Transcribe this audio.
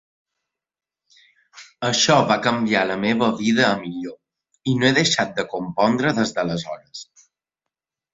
Això va canviar la meva vida a millor i no he deixat de compondre des d'aleshores.